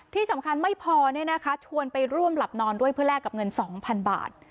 ที่สำคัญไม่พอเนี้ยนะคะชวนไปร่วมหลับนอนด้วยเพื่อแลกกับเงินสองพันบาท